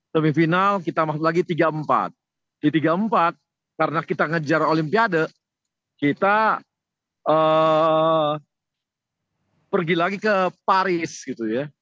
semifinal kita masuk lagi tiga empat di tiga empat karena kita ngejar olimpiade kita pergi lagi ke paris gitu ya